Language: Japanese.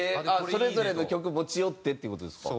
それぞれの曲持ち寄ってっていう事ですか？